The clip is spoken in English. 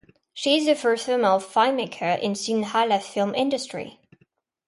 She is the first female filmmaker in Sinhala film industry.